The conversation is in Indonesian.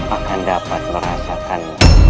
akan dapat merasakan